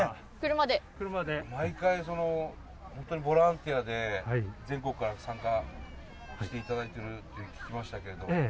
車で毎回そのホントにボランティアで全国から参加していただいてるって聞きましたけどええ